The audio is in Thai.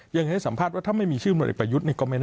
ยังไงสัมภาษณ์ว่าถ้าไม่มีชื่อพลเอกประวิทย์นี้แล้วก็ไม่แน่นะ